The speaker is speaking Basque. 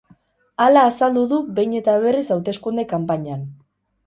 Hala azaldu du behin eta berriz hauteskunde kanpainan.